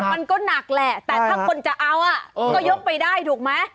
มันก็หนักแหละแต่ถ้าคนจะเอาก็ยกไปได้ถูกไหม